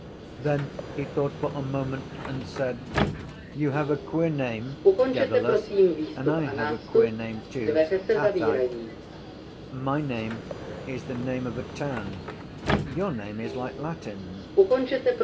Then he thought for a moment and said: —You have a queer name, Dedalus, and I have a queer name too, Athy. My name is the name of a town. Your name is like Latin.